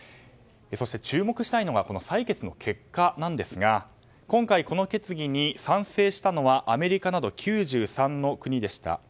そして注目したいのが採決の結果なんですが今回、この決議に賛成したのはアメリカなど９３の国でした。